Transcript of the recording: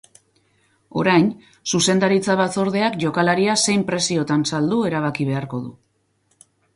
Orain, zuzendaritza batzordeak jokalaria zein preziotan saldu erabaki beharko du.